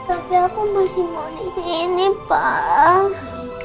tapi aku masih mau disini pak